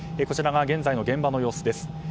こちらが現在の現場の様子です。